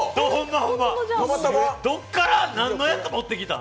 どっから何のやつ持ってきたん？